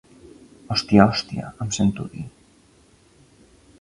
Hòstia, hòstia —em sento dir.